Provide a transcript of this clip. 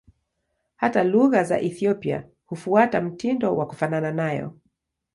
Hata lugha za Ethiopia hufuata mtindo wa kufanana nayo.